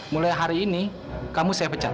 mulai hari ini kamu saya pecat